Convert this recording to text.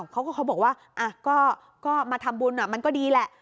เขาบอกว่าก็มาทำบุญมันก็ดีแหละ